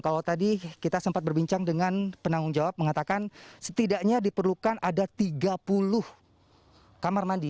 kalau tadi kita sempat berbincang dengan penanggung jawab mengatakan setidaknya diperlukan ada tiga puluh kamar mandi